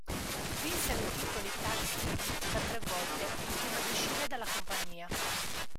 Vinsero i titoli tag team per tre volte prima di uscire dalla compagnia.